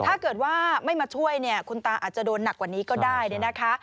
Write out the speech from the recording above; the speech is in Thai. ถ้าเกิดว่าไม่มาช่วยเนี่ยคุณตาอาจจะโดนหนักกว่านี้ก็ได้เนี่ยนะคะ